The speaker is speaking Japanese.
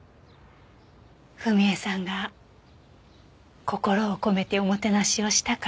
文恵さんが心を込めておもてなしをしたから。